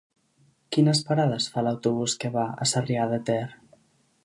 Quines parades fa l'autobús que va a Sarrià de Ter?